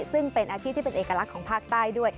ซึ่งเป็นอาชีพที่เป็นเอกลักษณ์ของภาคใต้ด้วย